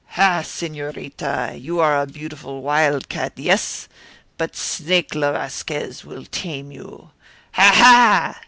"Ha, senorita, you are a beautiful wildcat, yes? But Snake le Vasquez will tame you! Ha, ha!"